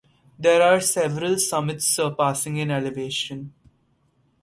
There are several summits surpassing in elevation.